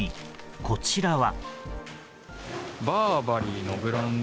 こちらは。